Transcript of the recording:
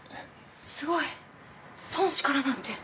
すごい！尊師からなんて。